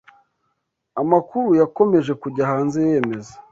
amakuru yakomeje kujya hanze yemeza